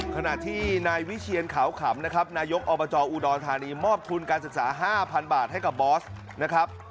ขณะที่นายวิเชียนขาวขำนะครับนายกอบจอุดรธานีมอบทุนการศึกษา๕๐๐บาทให้กับบอสนะครับ